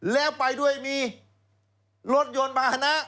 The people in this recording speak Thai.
แล้วไปด้วยมีรถยนต์ภาษณะ